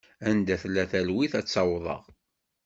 Anda tella talwit ad tt-awḍeɣ.